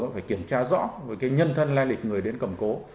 phải kiểm tra rõ với cái nhân thân lai lịch người đến cầm cố